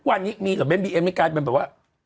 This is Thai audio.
ทุกวันนี้เม็ดงานไม่กลายเป็นแบบว่า